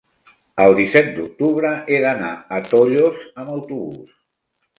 El disset d'octubre he d'anar a Tollos amb autobús.